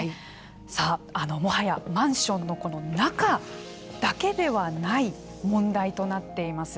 さあ、もはやマンションの中だけではない問題となっています